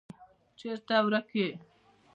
چیرته ورک یې.